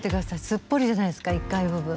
すっぽりじゃないですか１階部分。